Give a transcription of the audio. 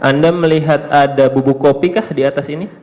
anda melihat ada bubuk kopi kah di atas ini